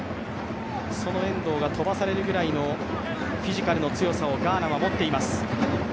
その遠藤が飛ばされるぐらいのフィジカルの強さをガーナは持っています。